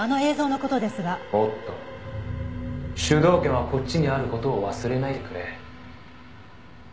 「おっと主導権はこっちにある事を忘れないでくれ」